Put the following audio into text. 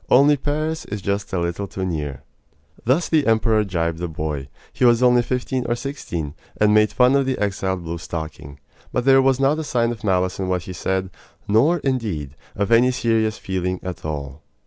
Only Paris is just a little too near!" Thus the emperor gibed the boy he was only fifteen or sixteen and made fun of the exiled blue stocking; but there was not a sign of malice in what he said, nor, indeed, of any serious feeling at all.